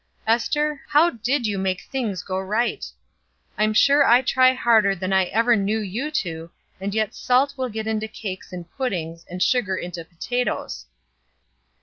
Ester, how did you make things go right? I'm sure I try harder than I ever knew you to, and yet salt will get into cakes and puddings, and sugar into potatoes.